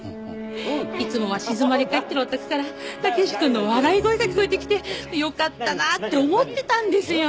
いつもは静まり返ってるお宅から武志くんの笑い声が聞こえてきてよかったなって思ってたんですよ。